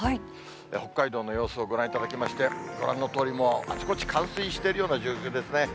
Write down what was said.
北海道の様子をご覧いただきまして、ご覧のとおり、もうあちこち、冠水しているような状況ですね。